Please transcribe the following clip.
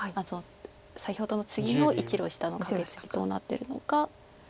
先ほどのツギの１路下のカケツギどうなってるのか。